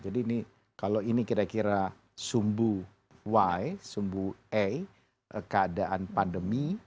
jadi ini kalau ini kira kira sumbu y sumbu a keadaan pandemi